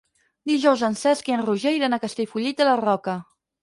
Dijous en Cesc i en Roger iran a Castellfollit de la Roca.